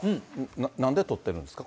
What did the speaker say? なんで撮ってるんですか？